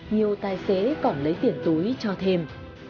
nhiều tài xế còn lấy tiền túi cho thêm